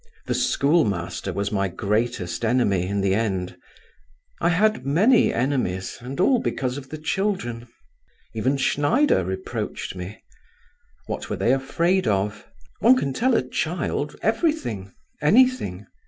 The schoolmaster was my greatest enemy in the end! I had many enemies, and all because of the children. Even Schneider reproached me. What were they afraid of? One can tell a child everything, anything.